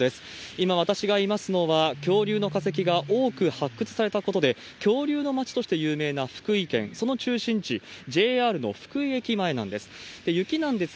今、私がいますのは、恐竜の化石が多く発掘されたことで、恐竜の町として有名な福井県、その中心地、ＪＲの福井駅前なんです。